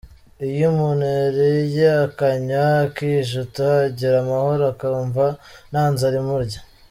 Iyo umuntu yariye, akanywa akijuta ‘agira amahoro’ akumva nta nzara imurya.